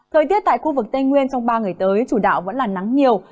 thời tiết tại khu vực tây nguyên trong ba ngày tới chủ đạo vẫn là nắng nhiều